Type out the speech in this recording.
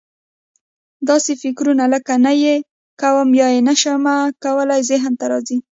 داسې فکرونه لکه: نه یې کوم یا نه یې شم کولای ذهن ته راځي.